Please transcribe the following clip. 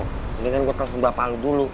mendingan gue telepon bapak lo dulu